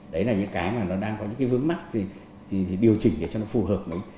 đấy là những cái mà nó đang có những cái vướng mắc thì điều chỉnh cho nó phù hợp